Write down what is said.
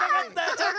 ちょっと！